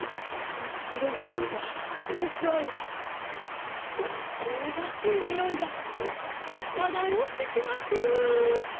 しろごはんがよくあうこうばしいにおいがただよってきます。